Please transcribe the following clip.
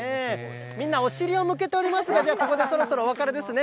みんな、お尻を向けておりますが、ここでそろそろお別れですね。